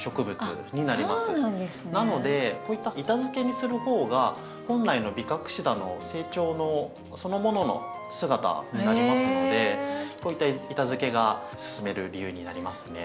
なのでこういった板づけにする方が本来のビカクシダの成長のそのものの姿になりますのでこういった板づけがすすめる理由になりますね。